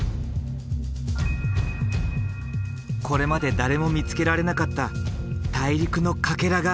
これまで誰も見つけられなかった大陸のカケラが今見つかった。